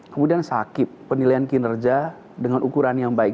kemudian sakit penilaian kinerja dengan ukuran yang baik